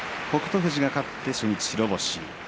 富士が勝って初日白星。